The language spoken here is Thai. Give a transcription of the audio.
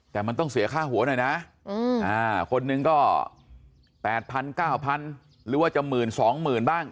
แต่มันต้องเสียค่าหัวหน่อยนะคนนึงก็๘๐๐๙๐๐หรือว่าจะ๑๒๐๐๐บ้าง